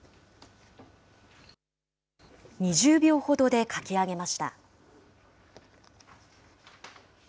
２０秒ほどで書き上げました。